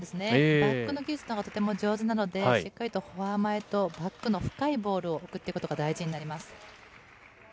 バックの技術のほうがとても上手なので、しっかりとフォア前とバックの深いボールを送っていくことが大事になります。